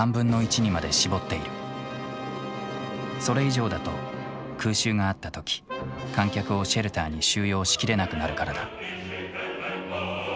それ以上だと空襲があった時観客をシェルターに収容し切れなくなるからだ。